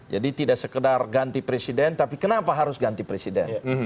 jadi tidak sekedar ganti presiden tapi kenapa harus ganti presiden